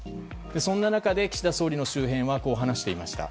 そんな中で岸田総理の周辺はこう話していました。